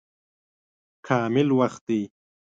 کامل وخت دی.